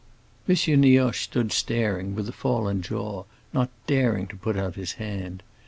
M. Nioche stood staring, with a fallen jaw, not daring to put out his hand.